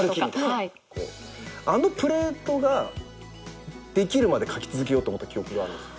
あのプレートができるまで書き続けようと思った記憶があるんです。